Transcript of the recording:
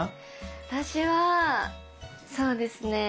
私はそうですね